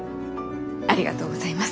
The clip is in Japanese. ありがとうございます。